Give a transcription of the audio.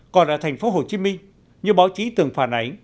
còn ở thành phố hồ chí minh như báo chí từng phản ánh